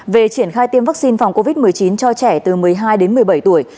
về triển khai tiêm vaccine phòng covid một mươi chín cho trẻ từ một mươi hai đến một mươi bảy tuổi